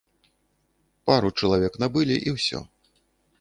Пару чалавек набылі, і ўсё.